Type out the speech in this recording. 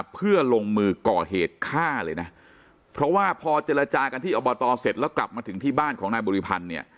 เพราะว่าพอเจรจากันที่อบตเสร็จแล้วกลับมาถึงที่บ้านของนายบริพันธ์